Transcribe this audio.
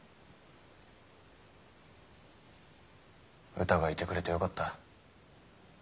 うたがいてくれてよかった。